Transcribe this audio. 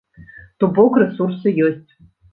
То бок, рэсурсы ёсць.